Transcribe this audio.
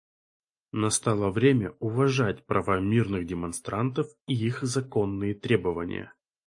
Настало время уважать права мирных демонстрантов и их законные требования.